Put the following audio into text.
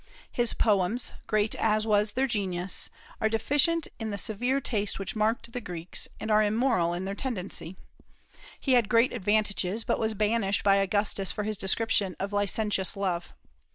His poems, great as was their genius, are deficient in the severe taste which marked the Greeks, and are immoral in their tendency. He had great advantages, but was banished by Augustus for his description of licentious love.